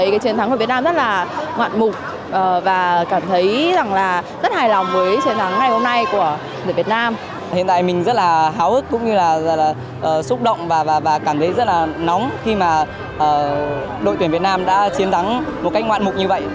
khi mà đội tuyển việt nam đã chiến thắng một cách ngoạn mục như vậy